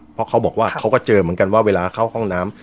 เพราะเขาบอกว่าเขาก็เจอเหมือนกันว่าเวลาเข้าห้องน้ำ